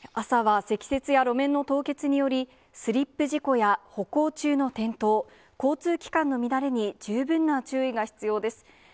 朝は積雪や路面の凍結により、スリップ事故や歩行中の転倒、交通機関の乱れに十分な注意が必要です。